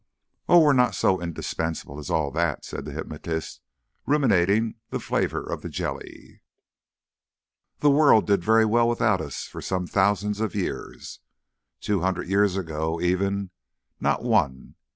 "Oh! we're not so indispensable as all that," said the hypnotist, ruminating the flavour of the jelly. "The world did very well without us for some thousands of years. Two hundred years ago even not one!